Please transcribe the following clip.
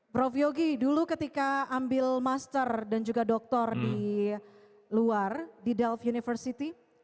prof yogi dulu ketika ambil master dan juga doktor di luar di delf university